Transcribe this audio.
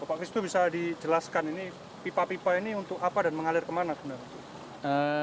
pak kristu bisa dijelaskan ini pipa pipa ini untuk apa dan mengalir kemana sebenarnya